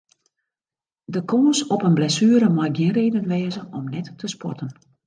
De kâns op in blessuere mei gjin reden wêze om net te sporten.